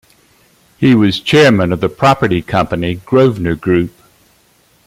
He was Chairman of the property company Grosvenor Group.